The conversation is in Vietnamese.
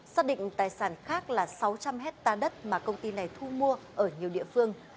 xác định tài sản khác là sáu trăm linh hectare đất mà công ty này thu mua ở nhiều địa phương